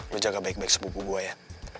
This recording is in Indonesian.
gue jaga baik baik sepupu gue ya